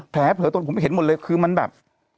แผลเผลอตนผมเห็นหมดเลยคือมันแบบ